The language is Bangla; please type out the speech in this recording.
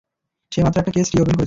সে মাত্র একটা কেস রিওপেন করেছে।